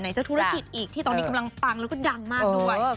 จะธุรกิจอีกที่ตอนนี้กำลังปังแล้วก็ดังมากด้วย